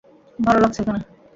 ভালো লাগছে এখানে।